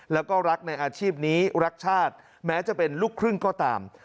แล้วก็รักในอาชีพนี้รักชาติแม้จะเป็นลูกครึ่งก็ตาม